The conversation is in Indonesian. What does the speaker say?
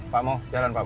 pak mo jalan pak mo